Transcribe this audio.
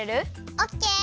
オッケー。